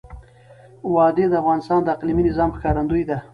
وادي د افغانستان د اقلیمي نظام ښکارندوی ده.